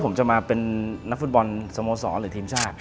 ผมจะมาเป็นนักฟุตบอลสโมสรหรือทีมชาติ